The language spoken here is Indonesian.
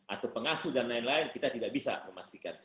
atau pengasuh dan lain lain kita tidak bisa memastikan